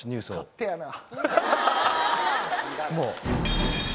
勝手やな。